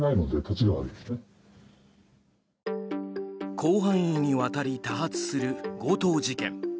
広範囲にわたり多発する強盗事件。